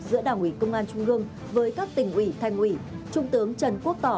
giữa đảng ủy công an trung ương với các tỉnh ủy thành ủy trung tướng trần quốc tỏ